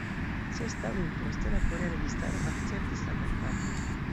Ses tagojn poste, la korea registaro akceptis la traktaton.